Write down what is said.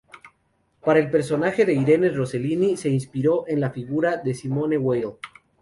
Para el personaje de Irene, Rossellini se inspiró en la figura de Simone Weil.